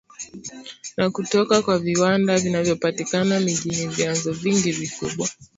na kutoka kwa viwanda vinavyopatikana mijini Vyanzo vingi vikubwa